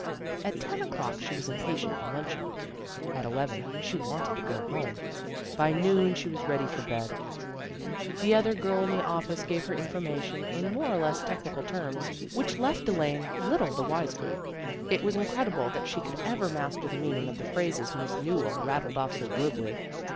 At ten o'clock she was impatient for luncheon. At eleven she wanted to go home. By noon she was ready for bed. The other girl in the office gave her informa 284 A REMARKABLE EVENING 285 tion in more or less technical terms, which left Elaine little the wiser. It was incredible that she could ever master the meaning of the phrases Miss Newell rattled off so glibly.